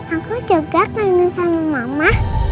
aku juga kangen sama mama